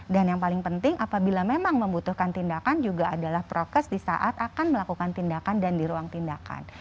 dan yang paling penting apabila memang membutuhkan tindakan juga adalah prokes di saat akan melakukan tindakan dan di ruang tindakan